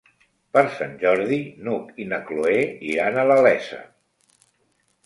Per Sant Jordi n'Hug i na Cloè iran a la Iessa.